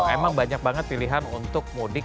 emang banyak banget pilihan untuk mudik